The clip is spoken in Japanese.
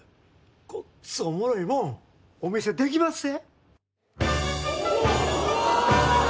ごっつおもろいもんお見せできまっせ。